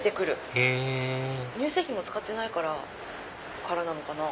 へぇ乳製品使ってないからなのかな？